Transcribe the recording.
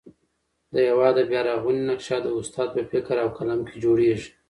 د هېواد د بیارغونې نقشه د استاد په فکر او قلم کي جوړېږي.